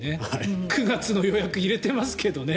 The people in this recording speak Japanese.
９月の予約を入れてますけどね。